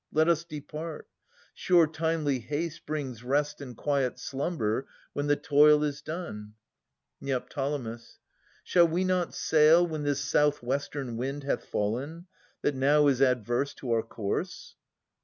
Let us depart. Sure timely haste brings rest And quiet slumber when the toil is done. Ned. Shall we not sail when this south western wind Hath fallen, that now is adverse to our course